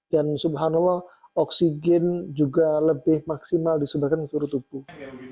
dan subhanallah oksigen juga lebih maksimal disumbatkan ke seluruh tubuh